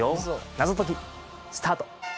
謎解きスタート。